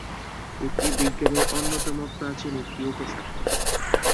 এটি বিজ্ঞানের অন্যতম প্রাচীন একটি উপশাখা।